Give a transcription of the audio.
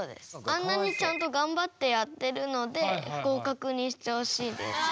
あんなにちゃんと頑張ってやってるので合かくにしてほしいです。